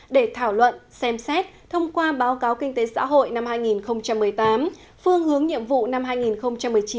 để thảo luận xem xét thông qua báo cáo kinh tế xã hội năm hai nghìn một mươi tám phương hướng nhiệm vụ năm hai nghìn một mươi chín